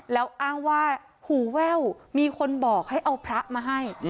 แล้วอ้างว่าหูแว่วมีคนบอกให้เอาพระมาให้